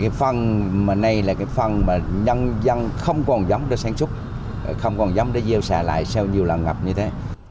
cái phần mà nay là cái phần mà nhân dân không còn giống để sản xuất không còn giống để gieo xạ lại sau nhiều lần ngập như thế